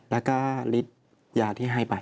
แล้วก็ริดยาที่ให้ไป